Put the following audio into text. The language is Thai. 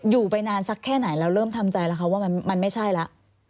อยู่ไปนานสักแค่ไหนเราเริ่มทำใจแล้วคะว่ามันไม่ใช่แล้ว